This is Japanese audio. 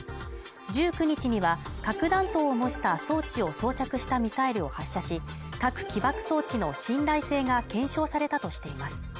１９日には核弾頭を模した装置を装着したミサイルを発射し、核起爆装置の信頼性が検証されたとしています